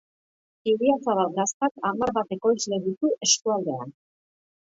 Idiazabal Gaztak hamar bat ekoizle ditu eskualdean.